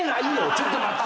ちょっと待ってくれ！